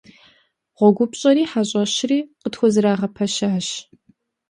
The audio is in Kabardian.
ГъуэгупщӀэри хьэщӀэщри къытхузэрагъэпэщащ.